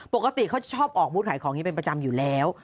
ปกติเขาจะชอบออกบุตรนี่เป็นประจำอยู่แล้ว